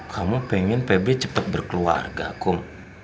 kamu pengen pb cepat berkeluarga kum